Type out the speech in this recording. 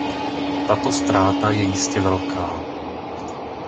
Tato ztráta je jistě velká.